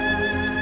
dia sudah hitam